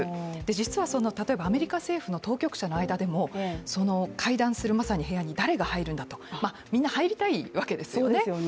実は、アメリカ政府の当局者の間でもその会談するまさに部屋に誰が入るんだと、みんな入りたいんですよね。